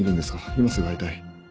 今すぐ会いたい。